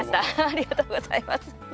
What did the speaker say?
ありがとうございます。